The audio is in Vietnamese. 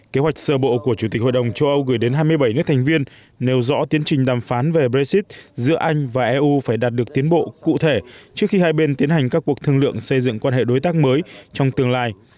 kế hoạch sơ bộ của chủ tịch hội đồng châu âu gửi đến hai mươi bảy nước thành viên nêu rõ tiến trình đàm phán về brexit giữa anh và eu phải đạt được tiến bộ cụ thể trước khi hai bên tiến hành các cuộc thương lượng xây dựng quan hệ đối tác mới trong tương lai